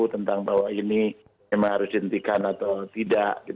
tentang bahwa ini memang harus dihentikan atau tidak